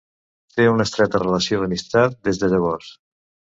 Té una estreta relació d'amistat des de llavors.